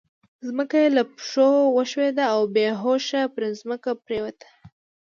ځمکه يې له پښو وښوېده او بې هوښه پر ځمکه پرېوته.